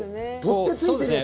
そうですね。